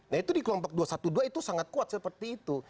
nah itu di kelompok dua ratus dua belas itu sangat kuat seperti itu